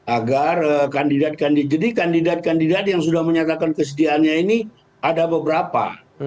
agar kandidat kandidat jadi kandidat kandidat yang sudah menyatakan kesedihan ini ada beberapa